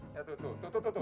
ya tuh tuh tuh tuh tuh tuh